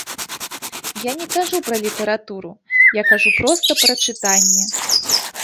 Я не кажу пра літаратуру, я кажу проста пра чытанне.